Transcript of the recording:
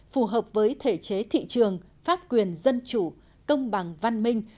phù hợp với thể chế thị trường pháp quyền dân chủ công bằng văn minh